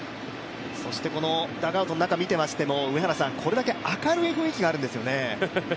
そしてダグアウトの中を見ていてもこれだけ明るい雰囲気があるんですよね。